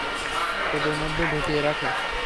পোদের মধ্যে ঢুকিয়ে রাখে।